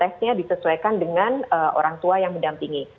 dan itu juga bisa dibuktikan dengan orang tua yang mendampingi